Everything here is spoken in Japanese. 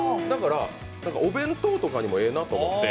お弁当とかにもええなと思って。